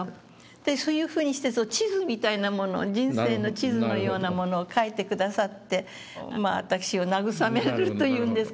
そういうふうにして地図みたいなものを人生の地図のようなものを書いて下さって私を慰めるというんですかね。